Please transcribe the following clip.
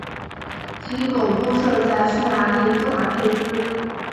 其总部设在匈牙利布达佩斯。